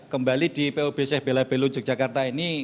kembali di pob belabelu yogyakarta ini